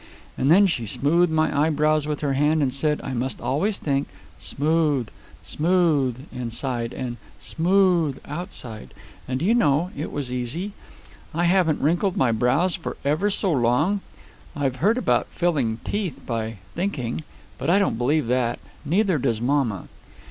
And then she smoothed my eyebrows with her hand and said I must always think smooth smooth inside, and smooth outside. And do you know, it was easy. I haven't wrinkled my brows for ever so long. I've heard about filling teeth by thinking. But I don't believe that. Neither does mamma."